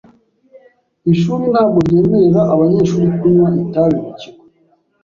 Ishuri ntabwo ryemerera abanyeshuri kunywa itabi mu kigo .